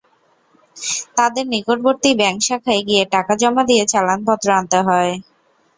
তাঁদের নিকটবর্তী ব্যাংক শাখায় গিয়ে টাকা জমা দিয়ে চালানপত্র আনতে হয়।